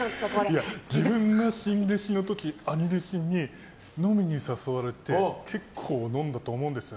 自分が新弟子の時兄弟子に飲みに誘われて結構飲んだと思うんです。